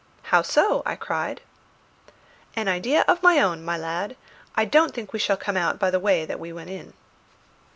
"How so?" I cried. "An idea of my own, my lad. I don't think we shall come out by the way that we went in."